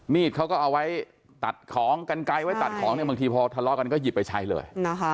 มีดเขาก็เอาไว้ตัดของกันไกลไว้ตัดของเนี่ยบางทีพอทะเลาะกันก็หยิบไปใช้เลย